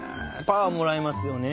パワーもらえますよね。